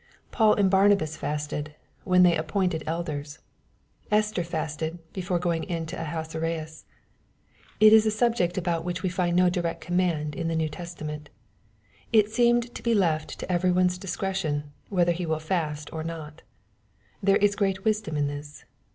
Paul and Barnabas fasted, when they appointed elders. Esther fasted, before going in to Ahasuerus.— It is a subject about which we find no direct command in the New Testament. It seems to be left to every one's discretion, whether he will fast or not. — There is great wisdom in this.